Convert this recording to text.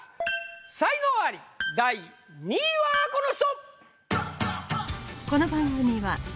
才能アリ第２位はこの人！